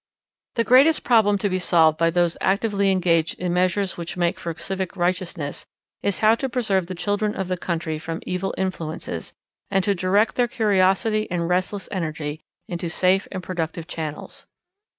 The greatest problem to be solved by those actively engaged in measures which make for civic righteousness is how to preserve the children of the country from evil influences, and to direct their curiosity and restless energy into safe and productive channels.